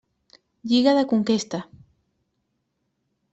Lliga de Conquesta: